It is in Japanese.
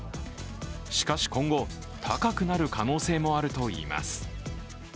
しかし、今後、高くなる可能性もあるといいます。